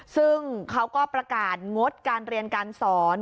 ซึ่งเขาก็ประกาศงดการเรียนการสอน